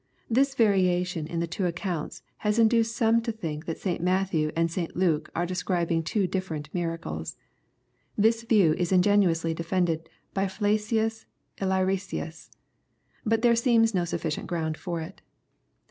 This variation in the two accocints has induced some to think that St. Matthew and St. Luke are describing two dilTerent miracles. This view is ingen iously defended by Flacius Illyricus. But there seems no sufficient ground for it.